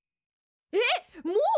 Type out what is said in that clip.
えっもう！？